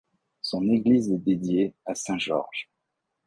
Son église est dédiée à saint Georges.